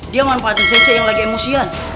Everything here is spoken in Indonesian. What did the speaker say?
dia manfaat sensei yang lagi emosian